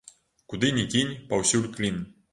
Куды ні кінь, паўсюль клін.